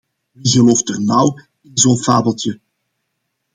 Wie gelooft er nou in zo’n fabeltje?